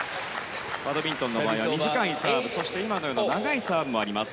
バドミントンの場合は短いサーブそして今のような長いサーブもあります。